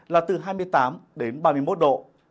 là từ hai mươi tám ba mươi một độ